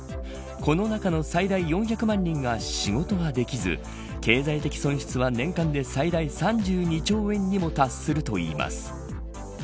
この中の最大４００万人が仕事ができず経済的損失は年間で最大３２兆円にも達するといいます。